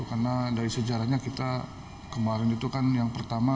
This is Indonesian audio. karena dari sejarahnya kita kemarin itu kan yang pertama